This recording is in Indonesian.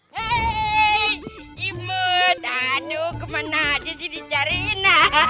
hei imut aduh kemana aja sih dicariin